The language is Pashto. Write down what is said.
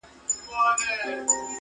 له هر کونجه یې جلا کول غوښتنه!.